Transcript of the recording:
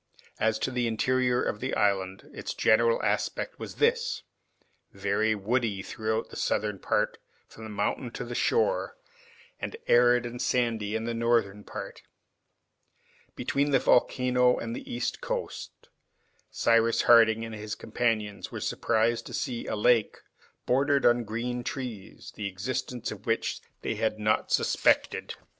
As to the interior of the island, its general aspect was this, very woody throughout the southern part from the mountain to the shore, and arid and sandy in the northern part. Between the volcano and the east coast Cyrus Harding and his companions were surprised to see a lake, bordered with green trees, the existence of which they had not suspected.